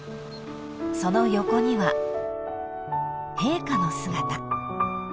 ［その横には陛下の姿］